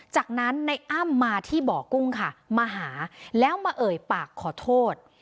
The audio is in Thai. จากนั้นในอ้ำมาที่บ่อกุ้งค่ะมาหาแล้วมาเอ่ยปากขอโทษ